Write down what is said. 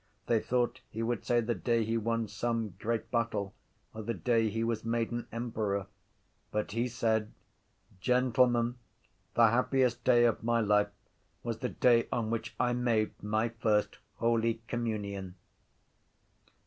They thought he would say the day he won some great battle or the day he was made an emperor. But he said: —Gentlemen, the happiest day of my life was the day on which I made my first holy communion.